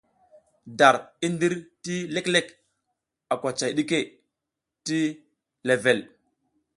Dar i ndir ti leklek a kwacay ɗike ti level.